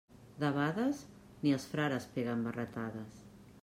Debades, ni els frares peguen barretades.